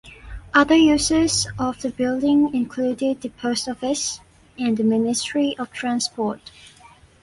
Other users of the building included the Post Office and the Ministry of Transport.